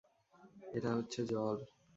এটা হচ্ছে জল।